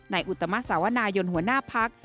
ในอุตมาสาวนายนหัวหน้าภักดิ์